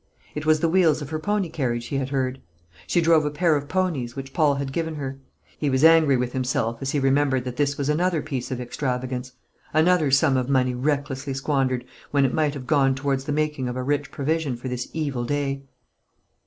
It was the wheels of her pony carriage he had heard. She drove a pair of ponies, which Paul had given her. He was angry with himself as he remembered that this was another piece of extravagance, another sum of money recklessly squandered, when it might have gone towards the making of a rich provision for this evil day.